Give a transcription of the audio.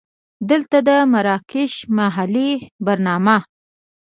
دلته د مراکشي محلې په نامه.